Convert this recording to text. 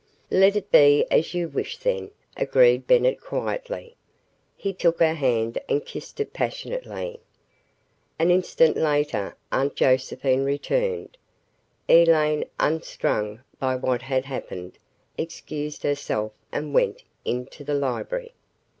"Let it be as you wish, then," agreed Bennett quietly. He took her hand and kissed it passionately. An instant later Aunt Josephine returned. Elaine, unstrung by what had happened, excused herself and went into the library.